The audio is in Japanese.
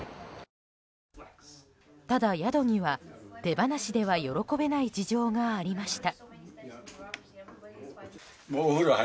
ただ、宿には手放しでは喜べない事情がありました。